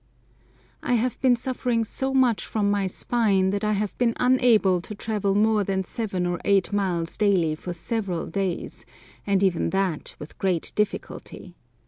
I HAVE been suffering so much from my spine that I have been unable to travel more than seven or eight miles daily for several days, and even that with great difficulty.